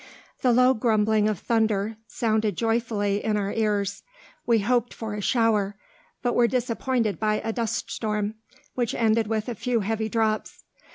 The low grumbling of thunder sounded joyfully in our ears. We hoped for a shower, but were disappointed by a dust storm, which ended with a few heavy drops.